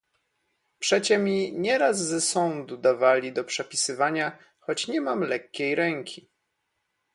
"Przecie mi nieraz ze sądu dawali do przepisywania, choć nie mam lekkiej ręki."